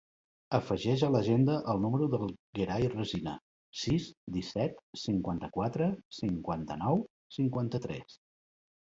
Afegeix a l'agenda el número del Gerai Resina: sis, disset, cinquanta-quatre, cinquanta-nou, cinquanta-tres.